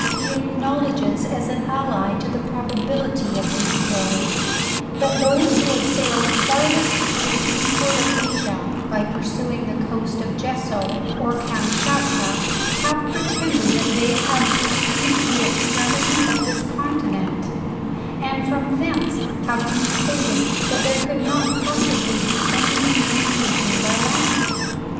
He acknowledges as an allay to the probability of these sto ries, that those who had sailed farthest to the eastward of Asia^ by pursuing the coast of Jesso, or Kamschatka, have pretended that they had perceived the extremity of this con tinent; and from thence have concluded that there could not possibly be any communication by land.